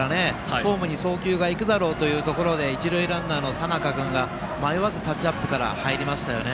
ホームに送球がいくだろうというところで一塁ランナーの佐仲君が迷わずタッチアップから入りましたよね。